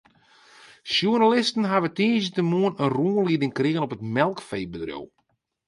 Sjoernalisten hawwe tiisdeitemoarn in rûnlieding krigen op it melkfeebedriuw.